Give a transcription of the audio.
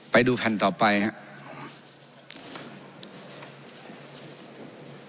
ไปดูแผ่นต่อไปครับ